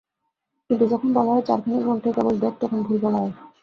কিন্তু যখন বলা হয়, চারখানি গ্রন্থই কেবল বেদ, তখন ভুল বলা হয়।